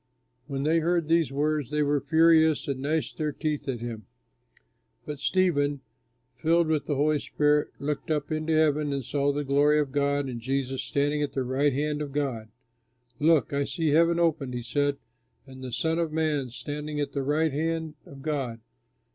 When they heard these words, they were furious and gnashed their teeth at him. But Stephen, filled with the Holy Spirit, looked up into heaven and saw the glory of God, and Jesus standing at the right hand of God. "Look, I see heaven open," he said, "and the Son of Man standing at the right hand of God."